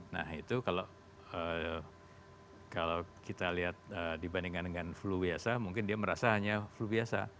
nah itu kalau kita lihat dibandingkan dengan flu biasa mungkin dia merasa hanya flu biasa